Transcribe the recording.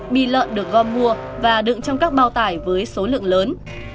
bi lợn được gom mua và đựng trong các bao tải với số lượng lớn